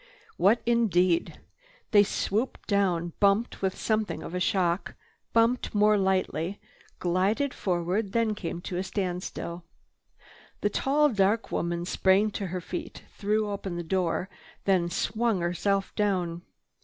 What indeed? They swooped downward, bumped with something of a shock, bumped more lightly, glided forward, then came to a standstill. The tall dark woman sprang to her feet, threw open the door, then swung herself down.